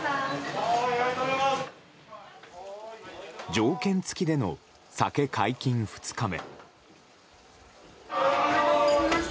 条件付きでの酒解禁２日目。